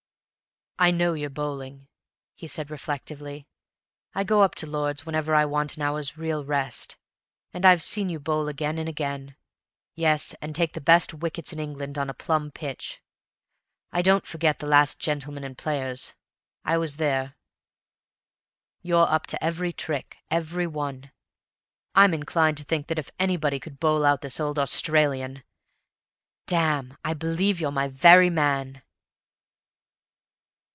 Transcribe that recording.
"I know your bowling," said he reflectively. "I go up to Lord's whenever I want an hour's real rest, and I've seen you bowl again and again yes, and take the best wickets in England on a plumb pitch. I don't forget the last Gentleman and Players; I was there. You're up to every trick every one ... I'm inclined to think that if anybody could bowl out this old Australian ... Damme, I believe you're my very man!"